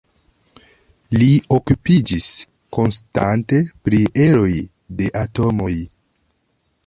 Li okupiĝis konstante pri eroj de atomoj.